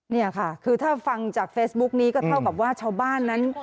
นี่ค่ะคือถ้าฟังจากเฟซบุ๊กนี้ก็เท่ากับว่าชาวบ้านนั้น